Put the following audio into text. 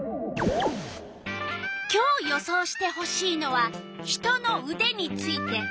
今日予想してほしいのは人のうでについて。